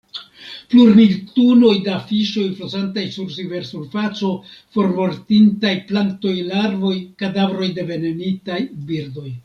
Plurmil tunoj da fiŝoj flosantaj sur riversurfaco; formortintaj planktoj, larvoj; kadavroj de venenitaj birdoj.